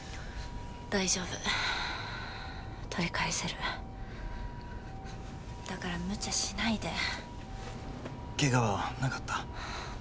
大丈夫取り返せるだからむちゃしないでケガはなかった？